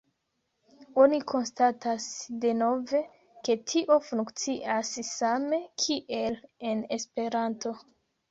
Oni konstatas denove, ke tio funkcias same kiel en Esperanto.